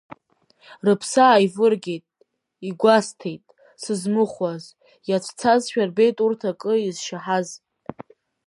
Рыԥсы ааивыргеит, игәасҭеит, сызмыхәаз, иацәцазшәа рбеит урҭ акы изшьаҳаз.